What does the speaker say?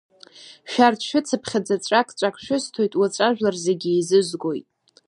Шәарҭ шәыцыԥхьаӡа ҵәак-ҵәак шәысҭоит, уаҵәы ажәлар зегьы еизызгоит.